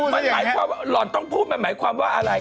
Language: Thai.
มันหมายความว่าหล่อนต้องพูดมันหมายความว่าอะไร